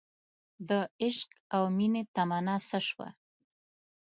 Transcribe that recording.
دعشق او مینې تمنا څه شوه